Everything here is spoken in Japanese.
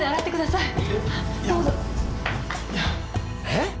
えっ！？